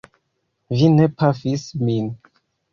Vi ne pafis min!